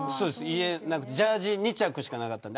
家なくてジャージ２着しかなかった。